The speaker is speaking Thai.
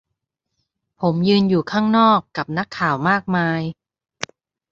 ผมยืนอยู่ข้างนอก กับนักข่าวมากมาย